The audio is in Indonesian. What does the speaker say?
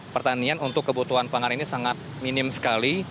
pertanian untuk kebutuhan pangan ini sangat minim sekali